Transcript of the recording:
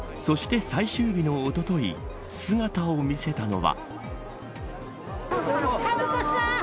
そして最終日のおととい姿を見せたのは。